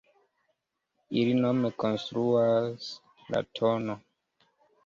Ili nome konstruas la tn.